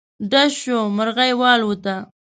ډز شو، مرغی والوته.